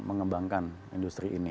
dan mengembangkan industri ini